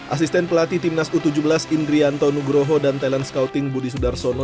asisten pelatih timnas u tujuh belas indrianto nugroho dan talent scouting budi sudarsono